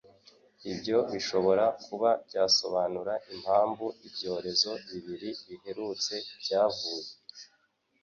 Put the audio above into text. Ibyo bishobora kuba byasobanura impamvu ibyorezo bibiri biherutse byavuye